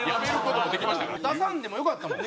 出さんでもよかったもん。